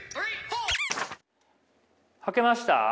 はけました？